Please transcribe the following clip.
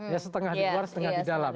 ya setengah di luar setengah di dalam